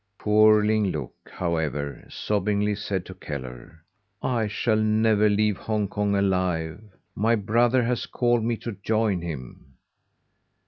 Poor Ling Look, however, sobbingly said to Kellar, "I shall never leave Hong Kong alive. My brother has called me to join him."